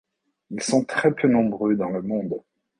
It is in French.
Ils sont très peu nombreux dans le monde.